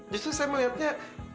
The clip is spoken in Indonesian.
justru saya melihatnya